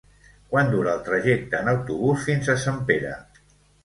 Quant dura el trajecte en autobús fins a Sempere?